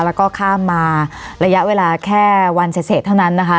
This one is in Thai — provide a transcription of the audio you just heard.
แล้วก็ข้ามมาระยะเวลาแค่วันเสร็จเท่านั้นนะคะ